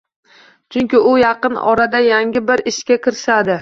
Chunki u yaqin orada yangi bir ishga kirishadi